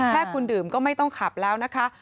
แค่คุณดื่มก็ไม่ต้องขับแล้วนะคะ